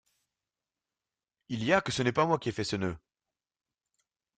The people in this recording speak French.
Il y a que ce n’est pas moi qui ai fait ce nœud!